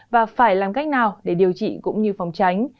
và phải làm cách nào để điều trị cũng như phòng tránh